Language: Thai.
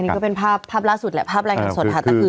นี่ก็เป็นภาพล่าสุดแหละภาพรายงานสดค่ะ